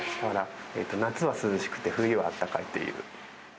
夏は涼しくて、冬はあったかいっていう。